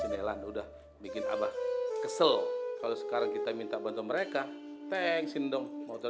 belanda udah bikin apa kesel kalau sekarang kita minta bantuan mereka pengsin dong motor